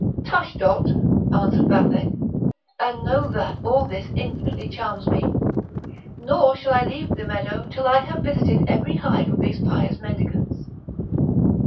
"Tush, dolt!" answered Vathek; "and know that all this infinitely charms me; nor shall I leave the meadow till I have visited every hive of these pious mendicants."